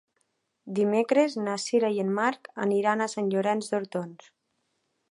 Dimecres na Sira i en Marc aniran a Sant Llorenç d'Hortons.